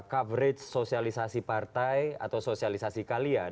coverage sosialisasi partai atau sosialisasi kalian